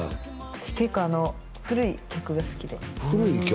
私結構古い曲が好きで古い曲？